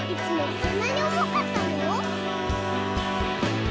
こんなにおもかったの？」